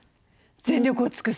全力を尽くす。